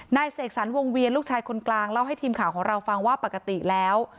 เสกสรรวงเวียนลูกชายคนกลางเล่าให้ทีมข่าวของเราฟังว่าปกติแล้ว